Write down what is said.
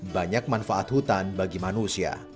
banyak manfaat hutan bagi manusia